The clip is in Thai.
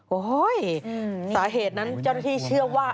โอ้โหสาเหตุนั้นเจ้าหน้าที่เชื่อว่า